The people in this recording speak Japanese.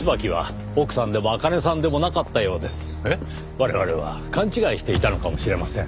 我々は勘違いしていたのかもしれません。